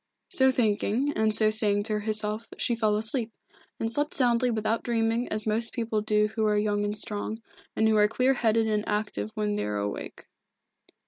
So thinking, and so saying to herself, she fell asleep, and slept soundly without dreaming as most people do who are young and strong, and who are clear headed and active when they are awake.